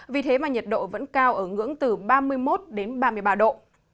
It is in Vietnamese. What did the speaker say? vì thế mà nhiệt độ vẫn cao ở ngưỡng từ ba mươi một đến ba mươi ba độ